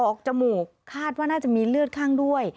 จมูกคาดว่าน่าจะมีเลือดข้างด้วย